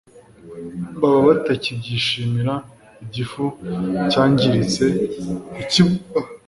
baba batakibyishimira Igifu cyangiritse ntikiba